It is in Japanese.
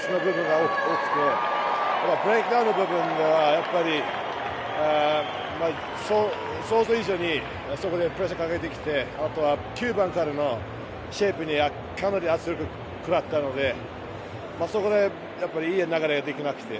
あとブレイクダウンの部分では想像以上にそこでプレッシャーをかけてきてあとは９番からのシェイプにかなり圧力がかかったのでそこで、いい流れができなくて。